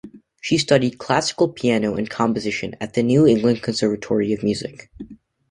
She studied classical piano and composition at the New England Conservatory of Music.